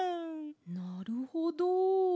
なるほど。